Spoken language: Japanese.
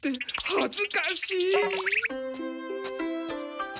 はずかしい！